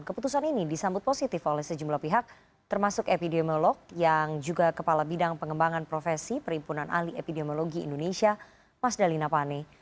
keputusan ini disambut positif oleh sejumlah pihak termasuk epidemiolog yang juga kepala bidang pengembangan profesi perhimpunan ahli epidemiologi indonesia mas dalina pane